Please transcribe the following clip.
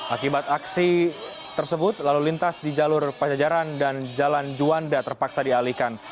akibat aksi tersebut lalu lintas di jalur pajajaran dan jalan juanda terpaksa dialihkan